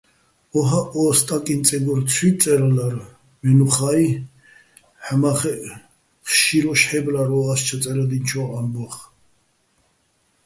ო́ჰაჸ ო სტაკიჼ წეგორ ცუჲ წე́რალარ, მე́ნუხა́ჲ ჰ̦ამა́ხეჸ ჴშირუშ ჰ̦ე́ბლარ ო ას ჩაწე́რადჲიენჩო̆ ამბო́ხ.